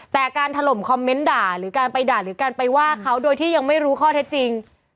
แต่การถล่มคอมเมนต์ด่าหรือการไปด่าหรือการไปว่าเขาโดยที่ยังไม่รู้ข้อเท็จจริง